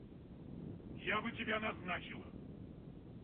Я бы тебя назначила.